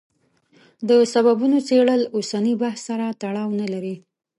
د سببونو څېړل اوسني بحث سره تړاو نه لري.